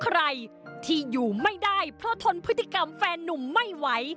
ใครที่อยู่ไม่ได้เพราะทนพฤติกรรมแฟนนุ่มไม่ไหว